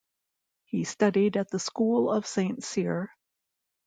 He studied at the School of Saint Cyr.